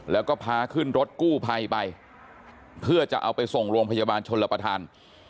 แล้วก็พาขึ้นรถกู้ภัยไปเพื่อจะเอาไปส่งโรงพยาบาลชนรับประทาน